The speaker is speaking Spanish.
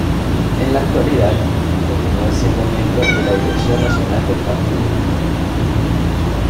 En la actualidad, continúa siendo Miembro de la Dirección Nacional del partido.